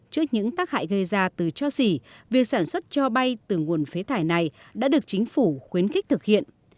trước những tác hại gây ra từ cho xỉ việc sản xuất cho bay từ nguồn phế thải này đã được chính phủ khuyến khích thực hiện